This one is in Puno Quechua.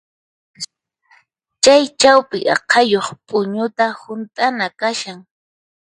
Chay chawpi aqhayuq p'uñuta hunt'ana kashan.